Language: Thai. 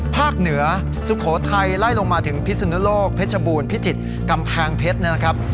ภาคเหนือสุโขทัยไล่ลงมาถึงพิศนุโลกเพชรบูรณพิจิตรกำแพงเพชรนะครับ